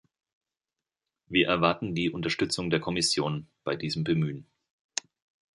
Wir erwarten die Unterstützung der Kommission bei diesem Bemühen.